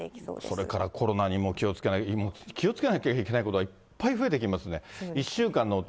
それからコロナにも気をつけないといけない、気をつけなきゃいけないことがいっぱい増えてきますね。